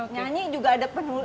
nyanyi juga ada penulis